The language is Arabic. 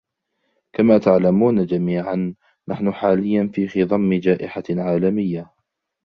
كما تعلمون جميعاً، نحن حالياً في خضمّ جائحة عالمية.